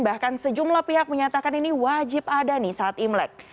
bahkan sejumlah pihak menyatakan ini wajib ada nih saat imlek